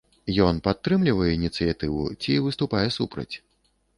Ён падтрымлівае ініцыятыву ці выступае супраць?